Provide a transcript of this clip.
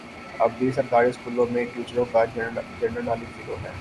اب بھی سرکاری سکولوں میں ٹیچروں کا جنرل نالج زیرو ہے